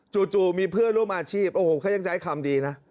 จู่มีเพื่อนร่วมอาชีพโอ้โหเขายังใช้คำดีนะ